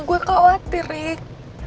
gue khawatir rik